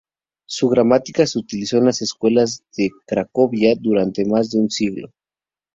Su gramática se utilizó en las escuelas de Cracovia durante más de un siglo.